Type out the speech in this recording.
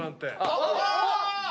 あっ！